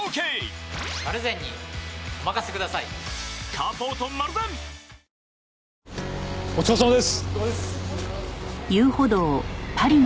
お疲れさまです。